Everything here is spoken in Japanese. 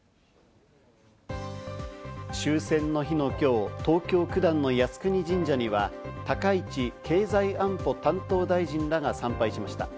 終戦の日の今日、東京・九段の靖国神社には高市経済安保担当大臣らが参拝しました。